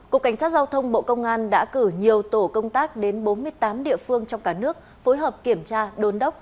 cục cảnh sát giao thông bộ công an đã cử nhiều tổ công tác đến bốn mươi tám địa phương trong cả nước